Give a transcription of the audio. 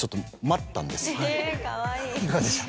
いかがでした？